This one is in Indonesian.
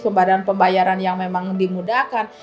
pembayaran pembayaran yang memang dimudahkan